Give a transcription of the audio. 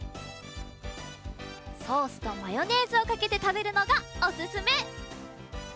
ソースとマヨネーズをかけてたべるのがおすすめ！